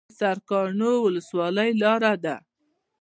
د سرکانو ولسوالۍ لاره ده